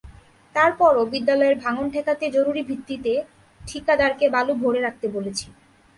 তার পরও বিদ্যালয়ের ভাঙন ঠেকাতে জরুরিভিত্তিতে ঠিকাদারকে বালু ভরে রাখতে বলেছি।